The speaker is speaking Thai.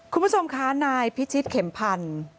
คุณผู้ชมคะนายพิชิตเข็มพันธุ์